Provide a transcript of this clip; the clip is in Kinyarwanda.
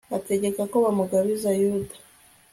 ategeka ko bamugabiza yuda